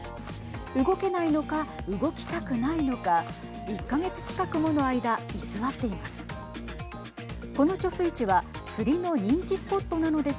動けないのか、動きたくないのか１か月近くもの間居座っています。